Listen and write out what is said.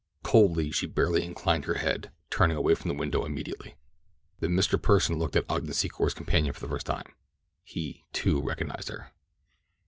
Coldly she barely inclined her head, turning away from the window immediately. Then Mr. Pursen looked at Ogden Secor's companion for the first time. He, too, recognized her.